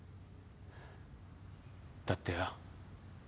だってよ